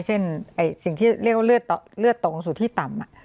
เช่นสิ่งที่เรียกว่าเลือดตกสู่ที่ต่ำ